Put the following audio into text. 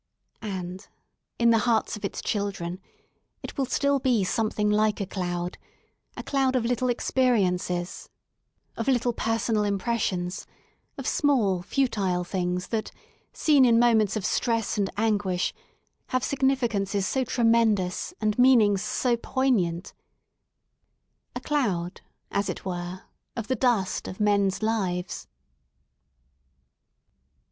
And in the hearts of its children it will still be some thing like a cloud — a cloud of little experiences, of little personal impressions, of small, futile things that, seen in moments of stress and anguish, have signifi cances so tremendous and meanings so poignant A cloud — ^as it were of the dust of men's lives.